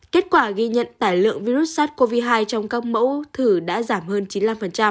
kết quả ghi nhận tải lượng virus sars cov hai trong các mẫu thử đã giảm hơn chín mươi năm